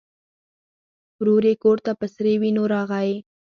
ورور یې کور ته په سرې وینو راغی.